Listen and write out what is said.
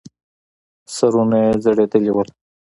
سرونه يې ځړېدلې وو.